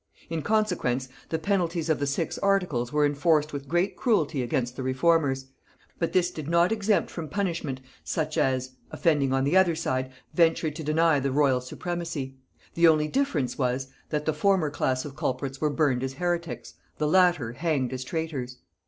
In consequence, the penalties of the Six Articles were enforced with great cruelty against the reformers; but this did not exempt from punishment such as, offending on the other side, ventured to deny the royal supremacy; the only difference was, that the former class of culprits were burned as heretics, the latter hanged as traitors.